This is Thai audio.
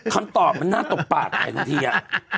คำตอบมันน่าตกปากไอ้คุณเฮีย